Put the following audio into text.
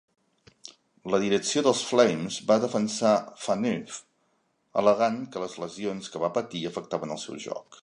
La direcció dels Flames va defensar Phaneuf, al·legant que les lesions que va patir afectaven el seu joc.